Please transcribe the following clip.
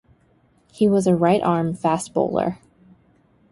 He was a right-arm fast bowler.